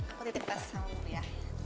aku titip pes sama lo dulu ya